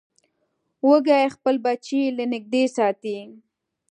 وزې خپل بچي له نږدې ساتي